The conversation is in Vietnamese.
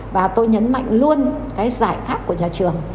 và tôi nhấn mạnh luôn cái giải pháp của nhà trường